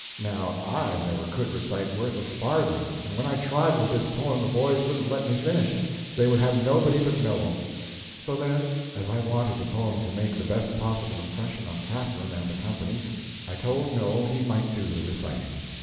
Now I never could recite worth a farthing; and when I tried with this poem the boys wouldn't let me finish; they would have nobody but Noel. So then, as I wanted the poem to make the best possible impression on Catherine and the company, I told Noel he might do the reciting.